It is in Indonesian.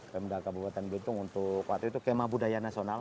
pemda kabupaten blitung untuk waktu itu kemah budaya nasional